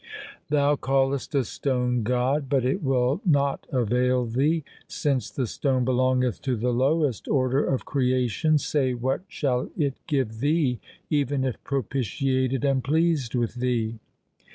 Thou callest a stone God, but it will not avail thee. Since the stone belongeth to the lowest order of creation, say what shall it give thee even if propitiated and pleased with thee